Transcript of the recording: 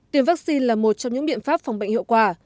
tiêm vaccine là một trong những biện pháp phòng bệnh hiệu quả